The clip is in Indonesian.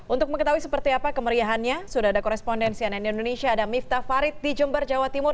untuk mengetahui seperti apa kemeriahannya sudah ada korespondensi ann indonesia ada miftah farid di jember jawa timur